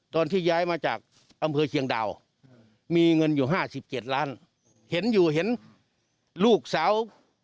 ตอนที่ย้ายมาจากอำเภอเชียงดาวมีเงินอยู่ห้าสิบเจ็ดล้านเห็นอยู่เห็นลูกสาว